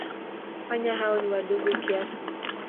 Panya hao ni wadogo kiasi.